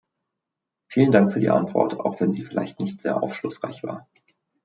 Vielen Dank für die Antwort, auch wenn sie vielleicht nicht sehr aufschlussreich war.